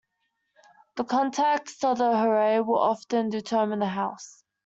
The context of the horary will often determine the house.